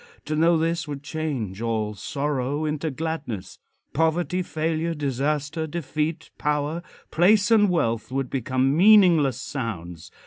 To know this would change all sorrow into gladness. Poverty, failure, disaster, defeat, power, place and wealth would become meaningless sounds.